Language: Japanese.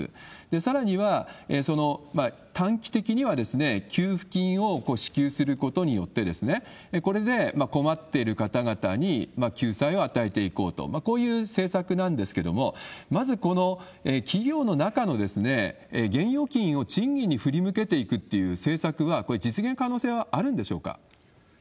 さらには、短期的には給付金を支給することによって、これで困っている方々に救済を与えていこうと、こういう政策なんですけれども、まずこの企業の中の現預金を賃金に振り向けていくっていう政策は、これ、実現可能性はあるんでしょうか？